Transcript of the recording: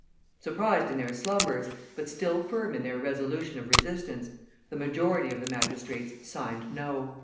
Surprised in their slumbers, but still firm in their resolution of resistance, the majority of the magistrates signed no.